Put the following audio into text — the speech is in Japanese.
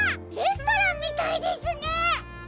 レストランみたいですね！